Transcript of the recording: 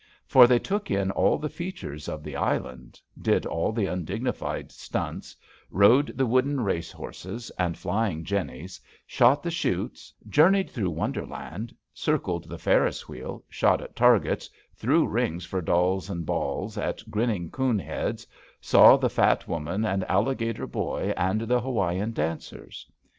For they took in all the features of the Island, did all the undignified stunts, rode the wooden race horses, and flying jennies, shot the chutes, journeyed through Wonderland, circled the Ferris wheel, shot at targets, threw rings for dolls and balls at grinning "coon" heads, saw the fat woman and alligator boy and the Hawaiian dancers.